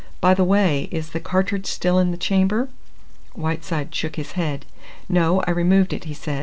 "By the way, is the cartridge still in the chamber?" Whiteside shook his head. "No, I removed it," he said.